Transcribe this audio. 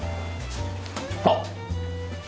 あっ！